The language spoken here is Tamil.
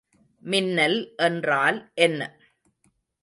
மின்னல் என்றால் என்ன?